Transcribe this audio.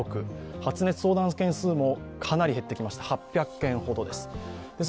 発熱相談件数もかなり減ってきまして８００件ほどです。